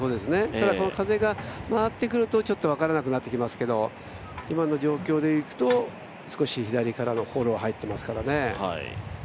ただこの風が回ってくると、ちょっと分からなくなってきますけれども、今の状況でいくと、少し左からのフォロー入ってますからね。